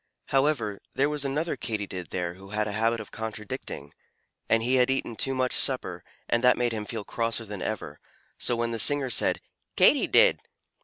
However, there was another Katydid there who had a habit of contradicting, and he had eaten too much supper, and that made him feel crosser than ever; so when the singer said "Katy did!"